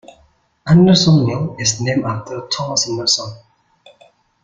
Anderson Mill is named after Thomas Anderson.